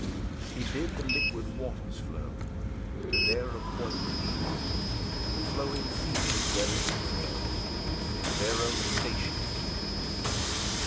4 He bid the liquid waters flow To their appointed deep; The flowing seas their limits know, And their own station keep.